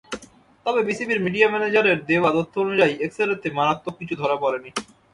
তবে বিসিবির মিডিয়া ম্যানেজারের দেওয়া তথ্য অনুযায়ী, এক্স-রেতে মারাত্মক কিছু ধরা পড়েনি।